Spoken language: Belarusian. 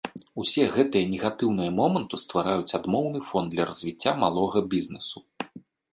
Усе гэтыя негатыўныя моманты ствараюць адмоўны фон для развіцця малога бізнесу.